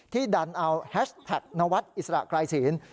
ดันเอาแฮชแท็กนวัดอิสระไกรศีล